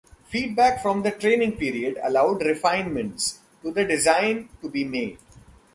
Feedback from the training period allowed refinements to the design to be made.